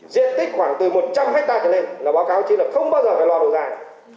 diện tích khoảng từ một trăm linh hectare lên là báo cáo chính là không bao giờ phải lo đồ dài